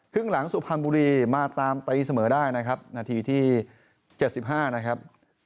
ครึ่งหลังสุพรรณบุรีมาตามตีเสมอได้นะครับนาทีที่๗๕นะครับ